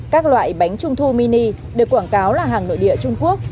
các loại bánh trung thu mini được quảng cáo là hàng nội địa trung quốc